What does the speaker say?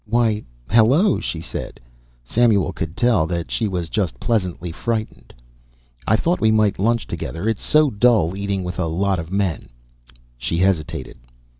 "Why hello," she said. Samuel could tell that she was just pleasantly frightened. "I thought we might lunch together. It's so dull eating with a lot of men." She hesitated.